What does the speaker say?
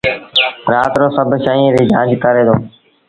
رآت رو سڀ شئيٚن ريٚ جآݩچ ڪري دو۔